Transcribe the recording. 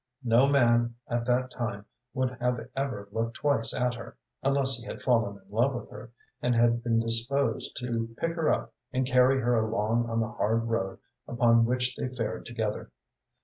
No man at that time would have ever looked twice at her, unless he had fallen in love with her, and had been disposed to pick her up and carry her along on the hard road upon which they fared together.